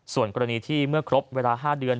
ส่วนกรณีที่เมื่อครบเวลา๕เดือน